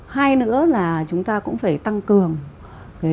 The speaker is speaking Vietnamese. hai nữa là chúng ta cũng phải tăng cường